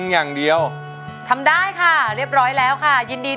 คุณยายแดงคะทำไมต้องซื้อลำโพงและเครื่องเสียง